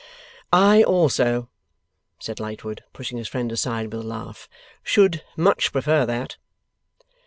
'I also,' said Lightwood, pushing his friend aside with a laugh, 'should much prefer that.